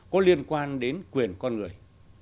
có liên quan đến quyền con người